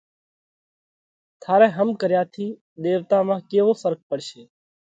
ٿارئہ هم ڪريا ٿِي ۮيوَتا مانه ڪيوو ڦرق پڙشي؟